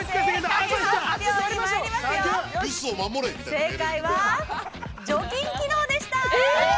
正解は、除菌機能でした。